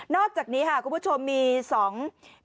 อกจากนี้ค่ะคุณผู้ชมมีสอง